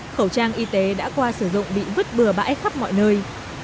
khẩu trang y tế đã qua sử dụng bị vứt bừa bãi khắp mọi nơi